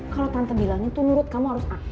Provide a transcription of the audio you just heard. kalau tante bilang itu menurut kamu harus a